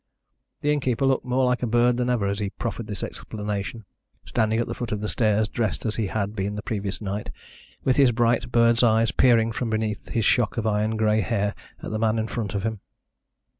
The innkeeper looked more like a bird than ever as he proffered this explanation, standing at the foot of the stairs dressed as he had been the previous night, with his bright bird's eyes peering from beneath his shock of iron grey hair at the man in front of him.